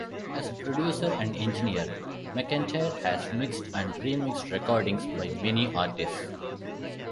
As a producer and engineer, McEntire has mixed and remixed recordings by many artists.